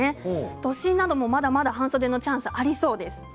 都心なども、まだまだ半袖のチャンスがありそうです。